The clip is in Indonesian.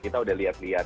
kita udah lihat lihat